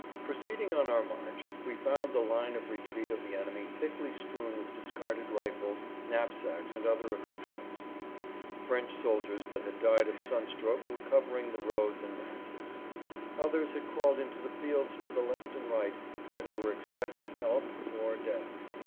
[Pg 53]Proceeding on our march we found the line of retreat of the enemy thickly strewn with discarded rifles, knapsacks, and other accouterments. French soldiers that had died of sunstroke were covering the roads in masses. Others had crawled into the fields to the left and right, where they were expecting help or death.